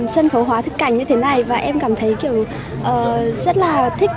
sân khấu hóa thực cảnh như thế này và em cảm thấy kiểu rất là thích cái vẻ đẹp truyền thống